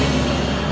nanti aku telfon lagi